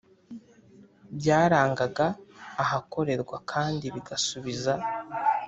Byarangaga ahakorerwa kandi bigasubiza